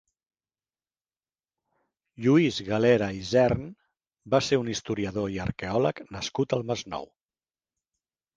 Lluís Galera Isern va ser un historiador i arqueòleg nascut al Masnou.